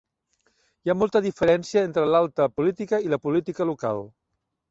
Hi ha molta diferència entre l'alta política i la política local.